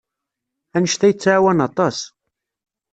Anect-a yettɛawan aṭas.